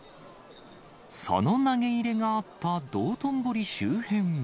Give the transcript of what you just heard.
その投げ入れがあった道頓堀